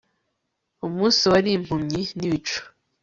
Umunsi wari impumyi nibicu